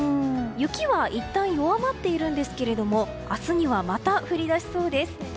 雪はいったん弱まっているんですが明日にはまた降り出しそうです。